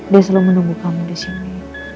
dia selalu menunggu kamu disini